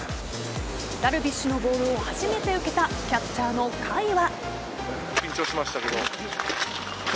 ダルビッシュのボールを初めて受けたキャッチャーの甲斐は。